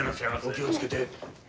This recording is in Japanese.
お気をつけて。